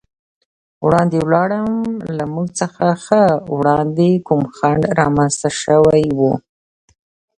وړاندې ولاړم، له موږ څخه ښه وړاندې کوم خنډ رامنځته شوی و.